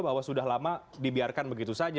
bahwa sudah lama dibiarkan begitu saja